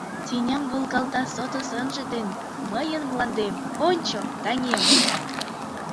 Тӱням волгалта сото сынже ден мыйын мландем, Ончо, таҥем!